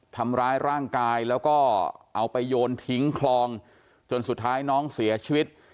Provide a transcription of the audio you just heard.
ทำร้ายร่างกายแล้วก็เอาไปโยนทิ้งคลองจนสุดท้ายน้องเสียชีวิต